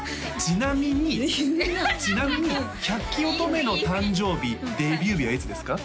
ちなみにちなみに百鬼乙女の誕生日デビュー日はいつですか？